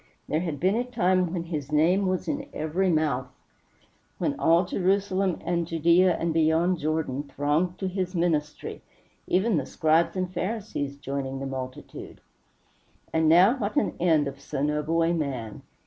There had been a time when his name was in every mouth; when all Jerusalem and Judæa, and beyond Jordan, thronged to his ministry even the Scribes and Pharisees joining the multitude. And now what an end of so noble a man!